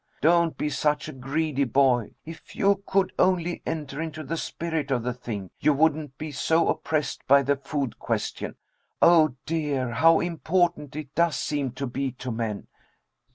Don't be such a greedy boy. If you could only enter into the spirit of the thing, you wouldn't be so oppressed by the food question. Oh, dear! How important it does seem to be to men.